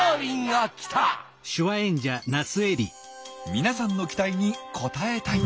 皆さんの期待に応えたい！